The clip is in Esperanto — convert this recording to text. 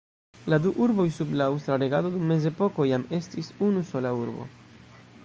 La du urboj sub la aŭstra regado dum mezepoko iam estis unu sola urbo.